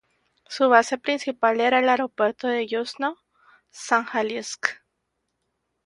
Su base principal era el aeropuerto de Yuzhno-Sajalinsk.